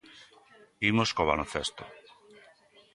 Imos co baloncesto.